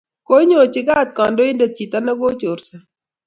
koinyochi kaat kandoinde chito ne kochorso